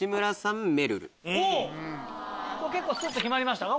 結構スッと決まりましたか？